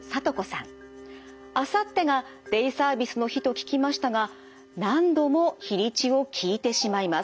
あさってがデイサービスの日と聞きましたが何度も日にちを聞いてしまいます。